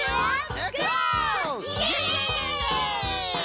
イエイ！